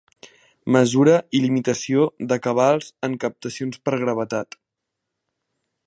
Mesura i limitació de cabals en captacions per gravetat.